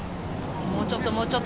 もうちょっと、もうちょっと。